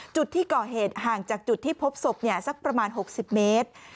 จุดที่ก่อเหตุห่างจากจุดที่พบศพสักประมาณ๖๐เมตร